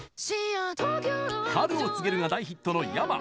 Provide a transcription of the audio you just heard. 「春を告げる」が大ヒットのｙａｍａ。